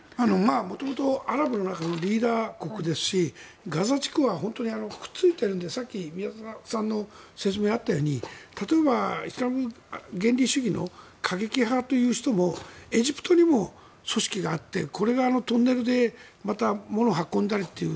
元々、アラブの中のリーダー国ですしガザ地区は本当にくっついているのでさっき宮田さんの説明にあったように例えばイスラム原理主義の過激派という人もエジプトにも組織があってこれがトンネルでまた物を運んだりという。